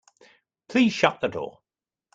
Please shut the door.